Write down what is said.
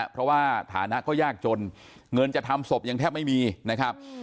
เพราะว่าฐานะก็ยากจนเงินจะทำศพยังแทบไม่มีนะครับ